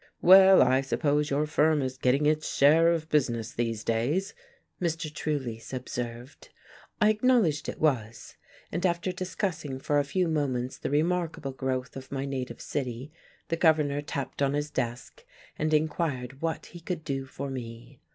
"Well, I suppose your firm is getting its share of business these days," Mr. Trulease observed. I acknowledged it was, and after discussing for a few moments the remarkable growth of my native city the Governor tapped on his desk and inquired what he could do for me.